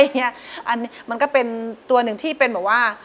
อันนี้มันก็เป็นตัวหนึ่งที่เป็นแบบว่า